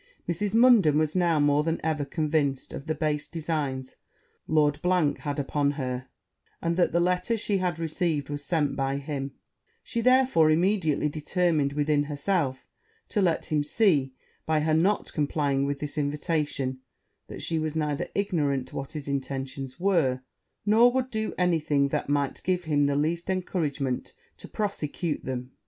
Mrs. Munden was now more than ever convinced of the base designs Lord had upon her, and that the letter she had received was sent by him: she therefore immediately determined within herself to let him see, by her not complying with this invitation, that she was neither ignorant what his intentions were, nor would do any thing that might give him the least encouragement to prosecute them.